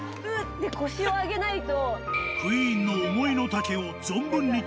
て腰を上げないと。